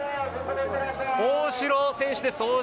大城選手です。